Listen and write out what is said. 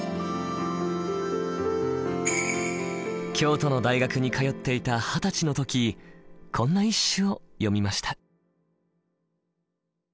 京都の大学に通っていた二十歳の時こんな一首を詠みました。